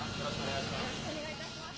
よろしくお願いします。